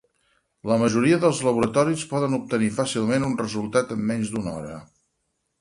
La majoria dels laboratoris poden obtenir fàcilment un resultat en menys d'una hora.